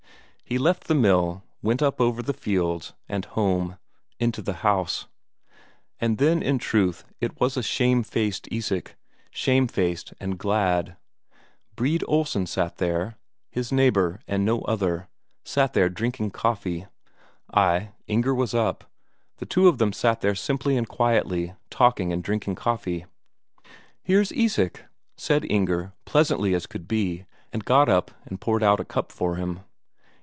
He left the mill, went up over the fields, and home into the house. And then in truth it was a shamefaced Isak, shamefaced and glad. Brede Olsen sat there, his neighbour and no other; sat there drinking coffee. Ay, Inger was up, the two of them sat there simply and quietly, talking and drinking coffee. "Here's Isak," said Inger pleasantly as could be, and got up and poured out a cup for him.